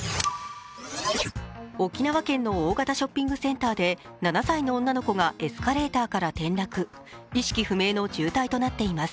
沖縄県の大型ショッピングセンターで７歳の女の子がエスカレーターから転落、意識不明の重体となっています。